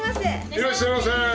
いらっしゃいませ。